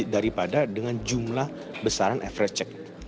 daripada dengan jumlah besaran average check